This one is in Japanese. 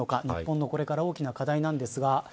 日本のこれから大きな課題なんですが